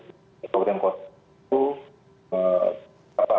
bapak ibu yang kota itu